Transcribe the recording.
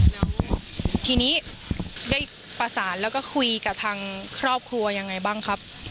แล้วทีนี้ได้ประสานแล้วก็คุยกับทางครอบครัวยังไงบ้างครับ